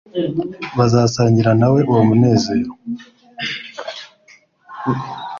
Bazasangira na we uwo munezero